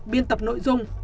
biên tập nội dung